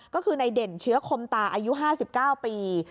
ก็คือในเด่นเชื้อคมตาอายุ๕๙ปี